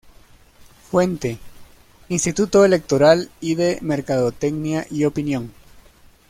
Fuente: Instituto Electoral y de Mercadotecnia y Opinión